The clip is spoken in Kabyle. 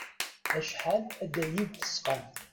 Acḥal ad yi-id-tesqam.